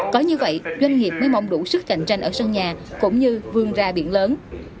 có như vậy doanh nghiệp mới mong đủ sức cạnh tranh ở sân nhà cũng như vươn ra biển lớn